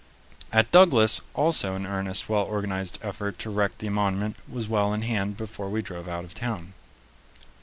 At Douglas also an earnest, well organized effort to erect the monument was well in hand before we drove out of town.